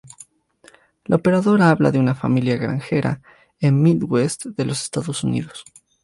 La ópera habla de una familia granjera en el Midwest de los Estados Unidos.